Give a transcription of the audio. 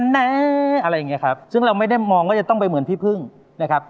แน่อะไรอย่างเงี้ครับซึ่งเราไม่ได้มองว่าจะต้องไปเหมือนพี่พึ่งนะครับ